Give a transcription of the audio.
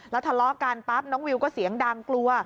ทะเลาะกันปั๊บน้องวิวก็เสียงดังกลัว